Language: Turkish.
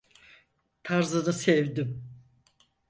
Tarzını sevdim.